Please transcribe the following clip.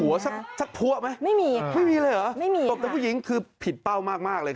ตกหัวชักพัวไหมไม่มีเลยเหรอตกแต่ผู้หญิงคือผิดเป้ามากเลย